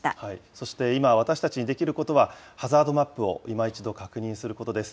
そして、今、私たちにできることはハザードマップを今一度確認することです。